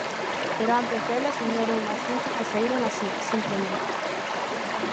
Pero antes delas viñeron unhas cinco que saíron así, simplemente.